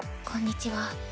こんにちは。